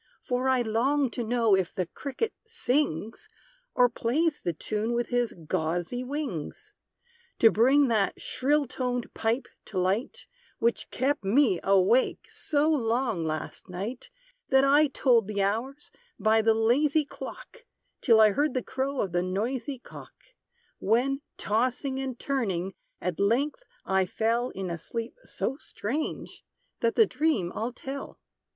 For I long to know if the cricket sings, Or plays the tune with his gauzy wings; To bring that shrill toned pipe to light Which kept me awake so long last night, That I told the hours by the lazy clock, Till I heard the crow of the noisy cock; When, tossing and turning, at length I fell In a sleep so strange, that the dream I'll tell.